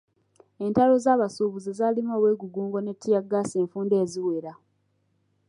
Entalo z'abasuubuzi zaalimu obwegugungo ne ttiya ggaasi enfunda eziwera.